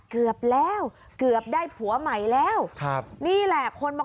เกือบแล้วเกือบได้ผัวใหม่แล้วครับนี่แหละคนมา